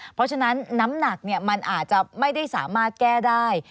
เพราะฉะนั้นน้ำหนักมันอาจจะไม่ได้สามารถแก้ได้